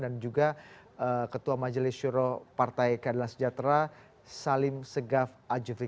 dan juga ketua majelis syuruh partai kadilan sejahtera salim segafal jufri